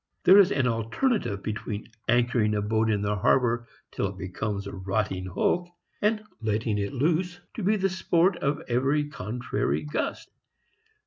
There is an alternative between anchoring a boat in the harbor till it becomes a rotting hulk and letting it loose to be the sport of every contrary gust.